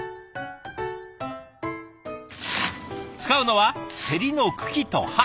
使うのはせりの茎と葉。